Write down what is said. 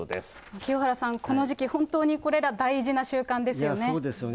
清原さん、この時期、本当にこれら大事な習慣ですよね。